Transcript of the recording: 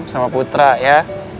sama putra ya